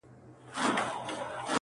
ویل کيږي چي کارګه ډېر زیات هوښیار دی؛